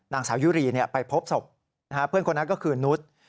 นางสาวยุรีไปพบศพเพื่อนคนนั้นก็คือนุษย์